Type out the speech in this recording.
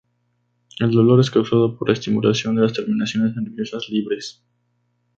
El dolor es causado por la estimulación de las terminaciones nerviosas libres.